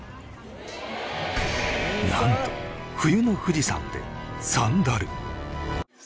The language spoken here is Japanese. なんと冬の富士山でサンダル